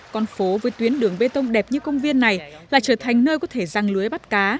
con phố với tuyến đường bê tông đẹp như công viên này là trở thành nơi có thể răng lưới bắt cá